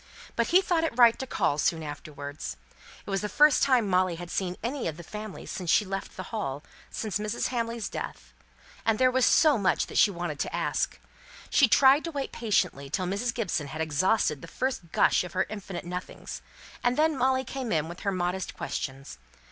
But he thought it right to call soon afterwards. It was the first time Molly had seen any of the family since she left the Hall, just before Mrs. Hamley's death; and there was so much that she wanted to ask. She tried to wait patiently till Mrs. Gibson had exhausted the first gush of her infinite nothings; and then Molly came in with her modest questions.